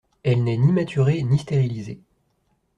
Elle n'est ni maturée, ni stérilisée.